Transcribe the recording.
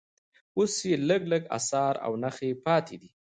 اوس یې لږ لږ اثار او نښې پاتې دي.